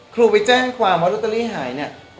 ครูไปแจ้งความว่าลอตเตอรี่หายเนี่ย